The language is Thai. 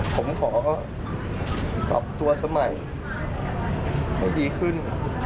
ผมขอปรับตัวสมัยให้ดีขึ้น